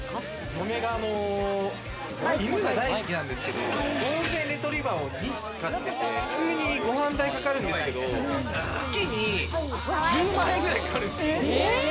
嫁が犬が大好きなんですけれども、ゴールデンレトリバーを２匹飼ってて、普通にご飯代にかかるんですけれど、月に１０万円くらいかかるんですよ。